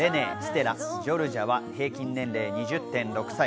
レネー、ステラ、ジョルジャは平均年齢２０．６歳。